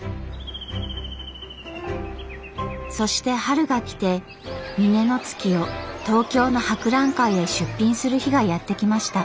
そして春が来て峰乃月を東京の博覧会へ出品する日がやって来ました。